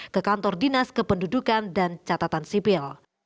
ke kantor dinas kependudukan dan catatan sipil